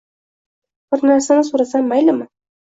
— bir narsani so‘rasam maylimi?